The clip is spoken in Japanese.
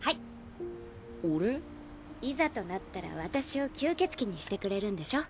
いざとなったら私を吸血鬼にしてくれるんでしょ？